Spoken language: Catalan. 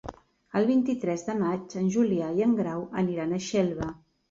El vint-i-tres de maig en Julià i en Grau aniran a Xelva.